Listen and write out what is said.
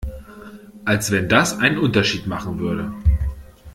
Als wenn das einen Unterschied machen würde!